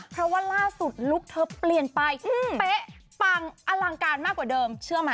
เพราะว่าล่าสุดลุคเธอเปลี่ยนไปเป๊ะปังอลังการมากกว่าเดิมเชื่อไหม